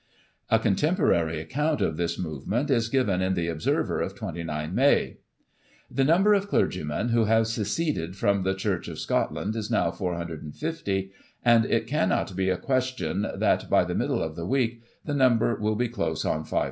A contemporary account of this movement is given in the Observer of 29 May :" The number of clergymen who have seceded from the Church of Scotland, is now 450; and it cannot be a question that, by the middle of the week, the nxunber will be close on 500.